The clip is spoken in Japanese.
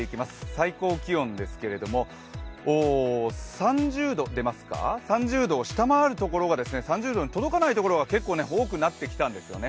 最高気温ですけれども３０度に届かないところが結構多くなってきたんですよね。